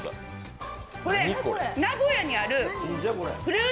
これ、名古屋にあるふるー